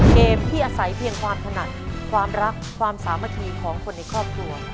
เกมที่อาศัยเพียงความถนัดความรักความสามัคคีของคนในครอบครัว